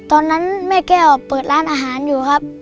ตอนนั้นแม่แก้วเปิดร้านอาหารอยู่ครับ